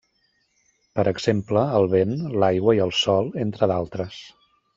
Per exemple el vent, l'aigua i el sol, entre d'altres.